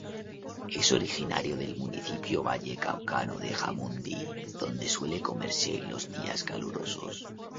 Es originario del municipio vallecaucano de Jamundí, donde suele comerse en los días calurosos.